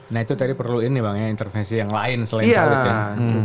nah itu tadi perlu ini bang ya intervensi yang lain selain cawe cahan